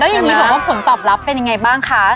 อย่างนี้บอกว่าผลตอบรับเป็นยังไงบ้างคะ